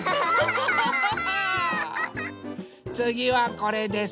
つぎはこれです。